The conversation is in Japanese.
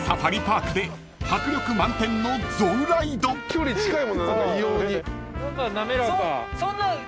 距離近いもんな異様に。